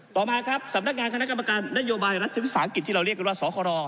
ต่อมาครับสำนักงานคณะกรรมการนโยบายรัฐศาสตร์อังกฤษที่เราเรียกว่าสค